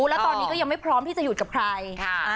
แล้วตอนนี้ก็ยังไม่พร้อมที่จะหยุดกับใคร